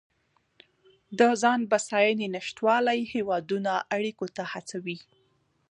د ځان بسیاینې نشتوالی هیوادونه اړیکو ته هڅوي